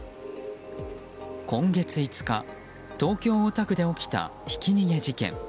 今月５日、東京・大田区で起きたひき逃げ事件。